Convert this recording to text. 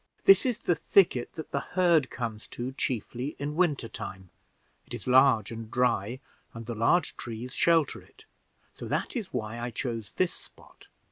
This is the thicket that the herd comes to chiefly in winter time; it is large and dry, and the large trees shelter it; so that is why I chose this spot.